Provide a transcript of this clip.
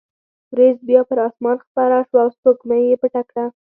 وریځ بیا پر اسمان خپره شوه او سپوږمۍ یې پټه کړه.